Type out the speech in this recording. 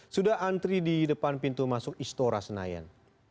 sudah antri di depan pintu masuk istora senayan